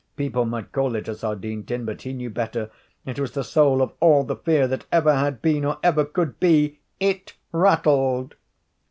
People might call it a sardine tin, but he knew better. It was the soul of all the fear that ever had been or ever could be. _It rattled.